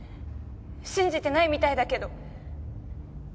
信じてないみたいだけど。